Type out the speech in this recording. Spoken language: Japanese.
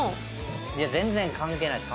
いや全然関係ないです